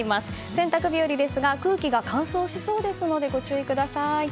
洗濯日和ですが空気が乾燥しそうですのでご注意ください。